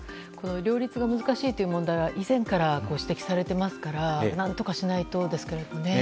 両立が難しいという問題は以前から指摘されていますから何とかしないとですけれどもね。